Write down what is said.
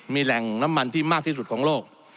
มีแหล่งน้ำมันที่มากที่สุดของโลก